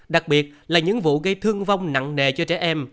đặc biệt là những vụ gây thương vong nặng nề cho trẻ em